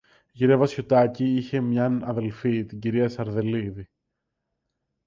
Η κυρία Βασιωτάκη είχε μίαν αδελφή, την κυρία Σαρδελίδη